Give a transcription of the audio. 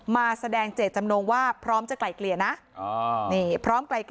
มาแสดงเจตรจำนวงว่าพร้อมจะไกล่เกลียนะ